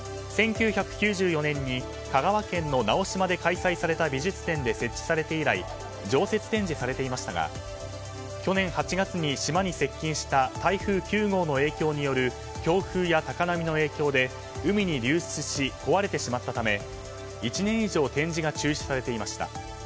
１９９４年に香川県の直島で開催された美術展で設置されて以来常設展示されていましたが去年８月に島に接近した台風９号の影響による強風や高波の影響で海に流出し、壊れてしまったため１年以上展示が中止されていました。